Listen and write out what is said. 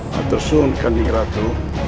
maktur sun kanjeng ratu